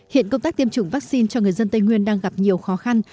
hiện công tác tiêm chủng vaccine cho người dân tây nguyên đang gặp nhiều khó khăn